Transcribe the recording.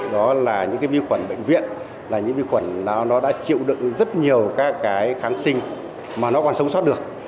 đó là những cái vi khuẩn bệnh viện là những vi khuẩn nó đã chịu đựng rất nhiều các cái kháng sinh mà nó còn sống sót được